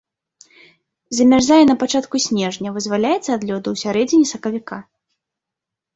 Замярзае на пачатку снежня, вызваляецца ад лёду ў сярэдзіне сакавіка.